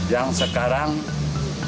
yang sekarang diberikan